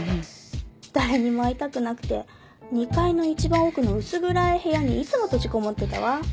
誰にも会いたくなくて２階の一番奥の薄暗い部屋にいつも閉じこもってたわ